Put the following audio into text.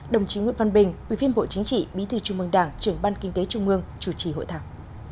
đồng chí nguyễn văn bình bộ chính trị bí thư trung ương đảng trưởng ban kinh tế trung ương chủ trì hội thảo